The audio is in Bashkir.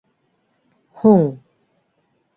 Һуң...